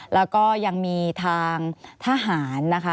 แล้วก็ยังมีทางทหารนะคะ